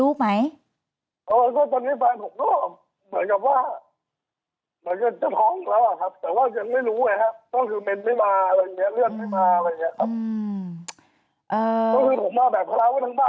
อ่าอ่าอ่าอ่าอ่าอ่าอ่าอ่าอ่าอ่าอ่าอ่าอ่าอ่าอ่าอ่าอ่าอ่าอ่า